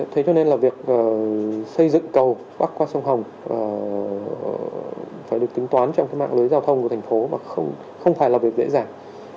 thế cho nên là việc xây dựng cầu bắc qua sông hồng phải được tính toán trong cái mạng lưới giao thông của thành phố mà không phải là việc dễ dàng